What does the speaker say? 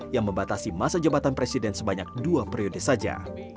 yang membatasi masa jabatan presiden sebanyak dua periode saja